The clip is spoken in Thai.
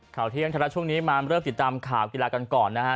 ข่าวเที่ยงไทยรัฐช่วงนี้มาเริ่มติดตามข่าวกีฬากันก่อนนะฮะ